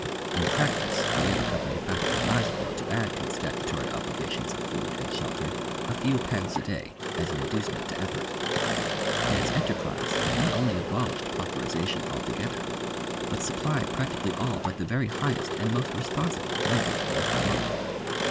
In practice the Labour Company found it advisable to add to its statutory obligations of food and shelter a few pence a day as an inducement to effort; and its enterprise had not only abolished pauperisation altogether, but supplied practically all but the very highest and most responsible labour throughout the world.